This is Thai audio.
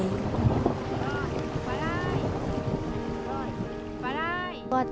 ต้องตามมันเป็นวันนะครับพอจะเจอ